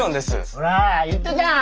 ほら言ったじゃん。